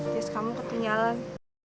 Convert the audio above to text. dias kamu ketunjalan